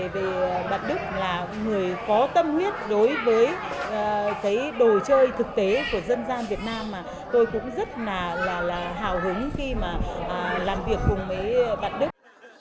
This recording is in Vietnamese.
về bà đức là người có tâm huyết đối với cái đồ chơi thực tế của dân gian việt nam mà tôi cũng rất là hào hứng khi mà làm việc cùng với bạn đức